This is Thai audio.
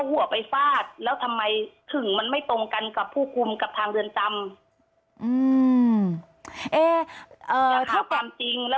แต่พอมาสักพักหนึ่งเราดำเนินเรื่อง